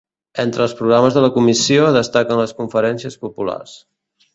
Entre els programes de la Comissió destaquen les conferències populars.